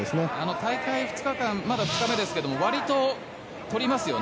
大会２日間まだ２日目ですがわりと取りますよね。